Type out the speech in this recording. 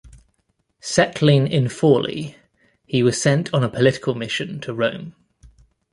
Settling in Forli, he was sent on a political mission to Rome.